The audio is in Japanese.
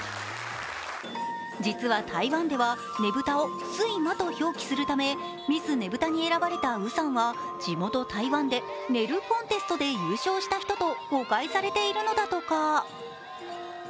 実は、台湾ではねぶたを「睡魔」と表記するため、ミスねぶたに選ばれた呉さんは寝るコンテストで優勝した人と誤解されているんだとか。